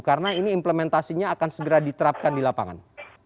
karena ini implementasinya akan segera diterapkan di lapangan